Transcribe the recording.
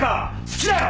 好きだよ！